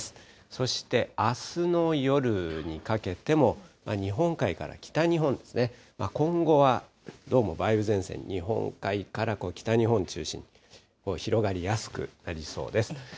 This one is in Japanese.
そしてあすの夜にかけても、日本海から北日本ですね、今後はどうも梅雨前線、日本海から北日本中心に広がりやすくなりそうです。